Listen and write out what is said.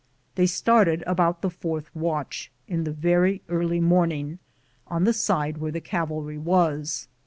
They started about the fourth watch, in the very early morning, on the side where the cavalry was.